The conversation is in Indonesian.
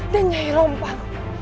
dan nyai rompang